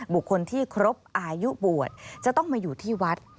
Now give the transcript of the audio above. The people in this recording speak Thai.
บุคคลที่ครบอายุบวชจะต้องมาอยู่ที่วัด